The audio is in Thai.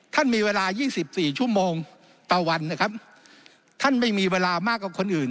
มีเวลายี่สิบสี่ชั่วโมงต่อวันนะครับท่านไม่มีเวลามากกว่าคนอื่น